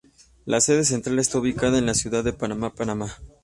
La sede central está ubicada en la ciudad de Panamá, Panamá.